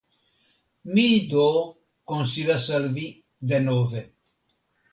Mi do konsilas al vi denove.